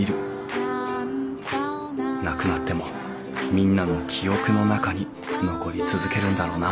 なくなってもみんなの記憶の中に残り続けるんだろうな